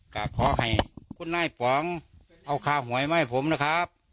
ก็ขอให้คุณนายป๋องเอาค่าหวยมาให้ผมนะครับ